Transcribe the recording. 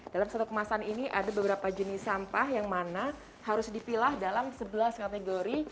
dalam satu kemasan ini ada beberapa jenis sampah yang mana harus dipilah dalam sebelas kategori